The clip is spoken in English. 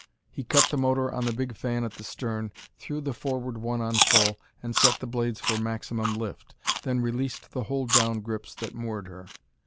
He cut the motor on the big fan at the stern, threw the forward one on full and set the blades for maximum lift, then released the hold down grips that moored her.